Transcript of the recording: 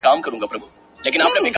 د اوښکو ته مو لپې لوښي کړې که نه،